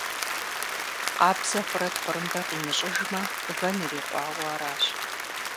Къабзэ хъурэ тхъурымбэ къимыщӀыжмэ, вэн ирикъуауэ аращ.